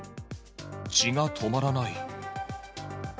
血が止まらない。